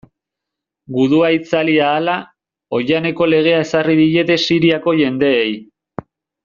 Gudua itzali ahala, oihaneko legea ezarri diete Siriako jendeei.